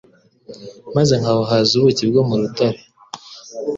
maze nkawuhaza ubuki bwo mu rutare»